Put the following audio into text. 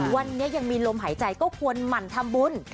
วันนี้ยังมีลมหายใจก็ควรหมั่นทำบุญ